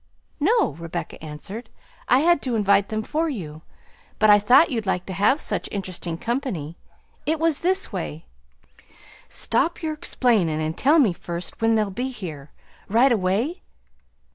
"No," Rebecca answered. "I had to invite them for you; but I thought you'd like to have such interesting company. It was this way" "Stop your explainin', and tell me first when they'll be here. Right away?"